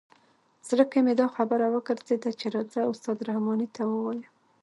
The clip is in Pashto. زړه کې مې دا خبره وګرځېده چې راځه استاد رحماني ته ووایه.